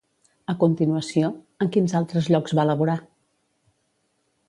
A continuació, en quins altres llocs va laborar?